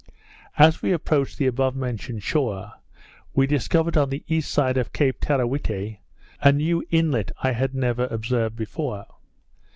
As we approached the above mentioned shore, we discovered on the east side of Cape Teerawhitte, a new inlet I had never observed before.